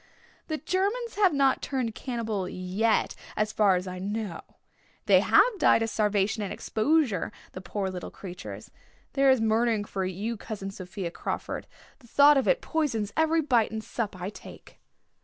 "The Germans have not turned cannibal yet as far as I know. They have died of starvation and exposure, the poor little creatures. There is murdering for you, Cousin Sophia Crawford. The thought of it poisons every bite and sup I take."